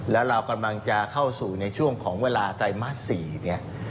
แล้วเรากำลังจะเข้าสู่ในช่วงของเวลาไตรมาส๔เนี่ย